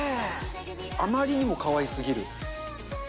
あまりにもかわいすぎる。